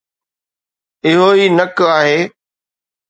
اهو ئي نڪ آهي